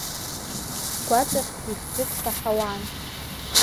Сгәаҵахьтәи бжьык саҳауан…